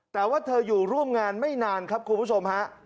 แต่ว่าเธออยู่ร่วมงานไม่นานครับคุณผู้ชมฮะ